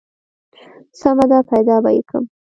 سمه ده پيدا به يې کم.